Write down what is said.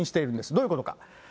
どういうことか。